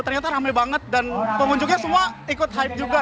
ternyata rame banget dan pengunjungnya semua ikut hype juga